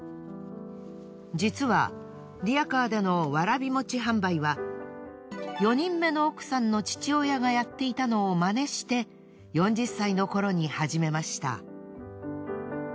実はリヤカーでのわらびもち販売は４人目の奥さんの父親がやっていたのを真似して４０歳の頃に始めました。